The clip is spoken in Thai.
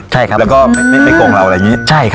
แล้วก็ไม่ไปโกงเราอะไรอย่างนี้